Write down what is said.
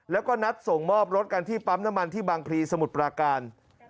แล้วก็นัดส่งมอบรถกันที่ปั๊มน้ำมันที่บางพลีสมุทรปราการ